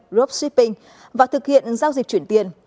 dropshipping và thực hiện giao dịch chuyển tiền